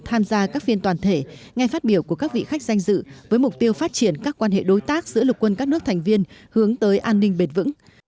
tham gia các phiên toàn thể nghe phát biểu của các vị khách danh dự với mục tiêu phát triển các quan hệ đối tác giữa lục quân các nước thành viên hướng tới an ninh bền vững